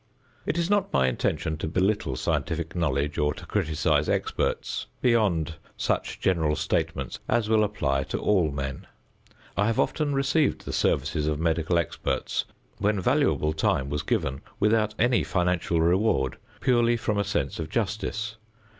It is not my intention to belittle scientific knowledge or to criticise experts beyond such general statements as will apply to all men. I have often received the services of medical experts when valuable time was given without any financial reward, purely from a sense of justice.